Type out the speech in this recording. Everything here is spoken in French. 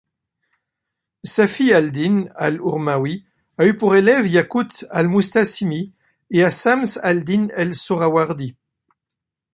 Ṣafī al-Dīn al-Urmawī a eu pour élève Yākūt al-Musta’ṣimī et à Šams al-Dīn al-Suhrawardī.